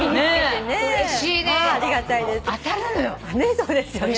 そうですよね。